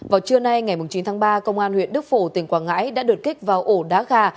vào trưa nay ngày chín tháng ba công an huyện đức phổ tỉnh quảng ngãi đã đột kích vào ổ đá gà